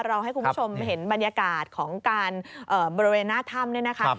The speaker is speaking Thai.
เราให้คุณผู้ชมเห็นบรรยากาศของการบริเวณหน้าถ้ำ